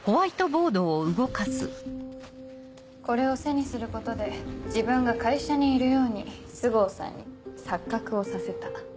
これを背にすることで自分が会社にいるように須郷さんに錯覚をさせた。